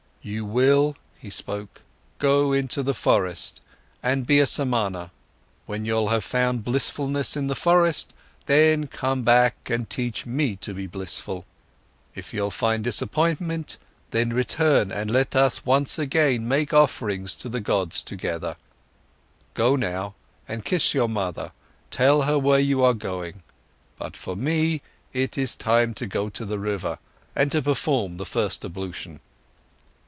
"You will," he spoke, "go into the forest and be a Samana. When you'll have found blissfulness in the forest, then come back and teach me to be blissful. If you'll find disappointment, then return and let us once again make offerings to the gods together. Go now and kiss your mother, tell her where you are going to. But for me it is time to go to the river and to perform the first ablution."